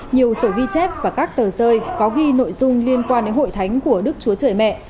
nhiều sổ ghi chép và các tờ rơi có ghi nội dung liên quan đến hội thánh của đức chúa trời mẹ